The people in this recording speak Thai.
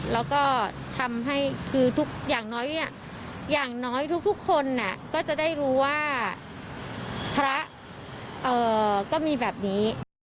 แล้วก็ทำให้อย่างน้อยทุกคนก็จะได้รู้ว่าพระก็มีแบบนี้